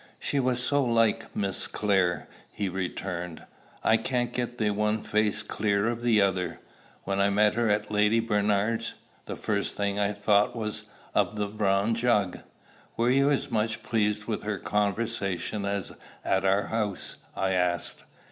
"She was so like Miss Clare!" he returned. "I can't get the one face clear of the other. When I met her at Lady Bernard's, the first thing I thought of was the brown jug." "Were you as much pleased with her conversation as at our house?" I asked.